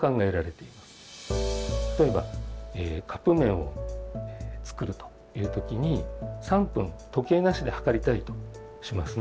例えばカップ麺を作るという時に３分時計なしで計りたいとしますね。